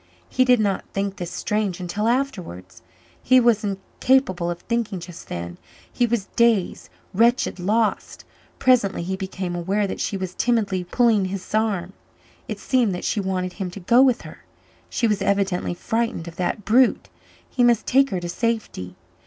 He did not think this strange until afterwards. He was incapable of thinking just then; he was dazed, wretched, lost. Presently he became aware that she was timidly pulling his arm. It seemed that she wanted him to go with her she was evidently frightened of that brute he must take her to safety.